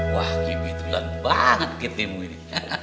wah kiwi tulen banget kitimu ini